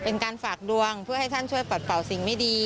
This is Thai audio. เป็นการฝากดวงเพื่อให้ท่านช่วยปัดเป่าสิ่งไม่ดี